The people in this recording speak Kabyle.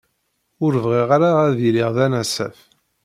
Ur bɣiɣ ara ad iliɣ d anasaf.